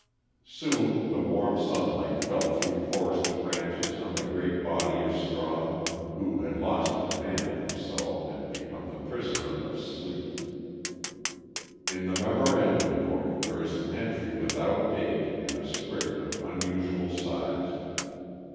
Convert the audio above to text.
Soon the warm sunlight fell through forest branches on the great body of Strong, who had lost command of himself and become the prisoner of sleep. In the memorandum book there is an entry without date in a script of unusual size.